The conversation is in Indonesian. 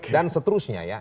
dan seterusnya ya